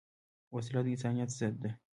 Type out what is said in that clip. وسله د انسانیت ضد ده